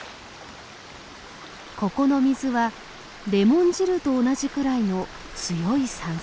ここの水はレモン汁と同じぐらいの強い酸性。